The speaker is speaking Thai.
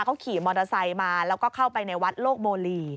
เขาขี่มอเตอร์ไซค์มาแล้วก็เข้าไปในวัดโลกโมลี